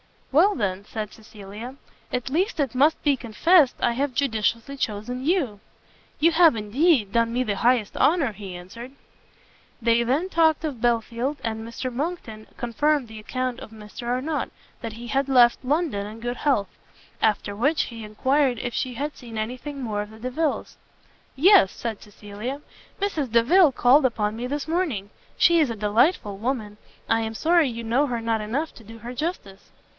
"Well, then," said Cecilia, "at least it must be confessed I have judiciously chosen you!" "You have, indeed, done me the highest honour," he answered. They then talked of Belfield, and Mr Monckton confirmed the account of Mr Arnott, that he had left London in good health. After which, he enquired if she had seen any thing more of the Delviles? "Yes," said Cecilia, "Mrs. Delvile called upon me this morning. She is a delightful woman; I am sorry you know her not enough to do her justice."